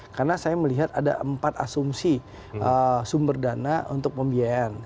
karena saya melihat ada empat asumsi sumber dana untuk pembiayaan